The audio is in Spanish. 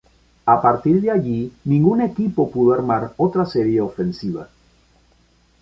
A partir de allí ningún equipo pudo armar otra serie ofensiva.